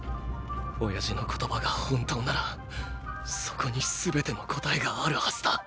親父の言葉が本当ならそこにすべての答えがあるはずだ。